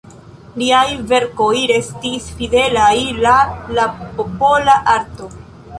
Liaj verkoj restis fidelaj la la popola arto.